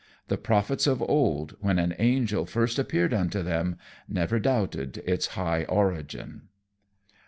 The prophets of old, when an angel first appeared unto them, never doubted its high origin.